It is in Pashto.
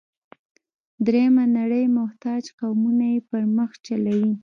درېیمه نړۍ محتاج قومونه یې پر مخ چلوي.